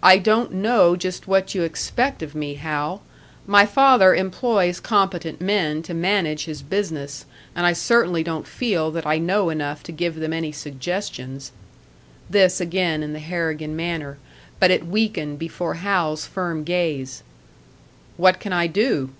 "I don't know just what you expect of me, Hal. My father employs competent men to manage his business, and I certainly don't feel that I know enough to give them any suggestions." This again in the Harrigan manner; but it weakened before Hal's firm gaze. "What can I do?"